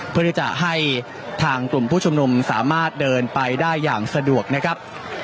เพื่อที่จะให้ทางกลุ่มผู้ชุมนุมสามารถเดินไปได้อย่างสะดวกนะครับ